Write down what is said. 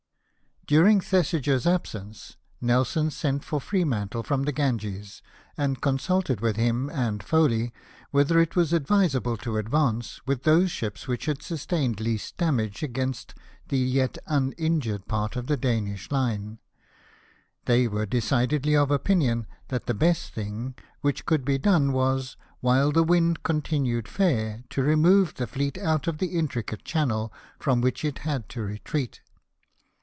During Thesiger's absence, Nelson sent for Free mantle from the Ganges, and consulted with him and Foley, whether it was advisable to advance, with those ships which had sustained least damage, against the yet uninjured part of the Danish line. They were BATTLE OF COPEI^HAGEN. 239 decidedly of opinion that the best thing which could be done was, while the wind continued fair, to remove the fleet out of the intricate channel, from which it had to retreat.